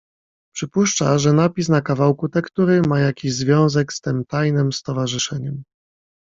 "Przypuszcza, że napis na kawałku tektury ma jakiś związek z tem tajnem stowarzyszeniem."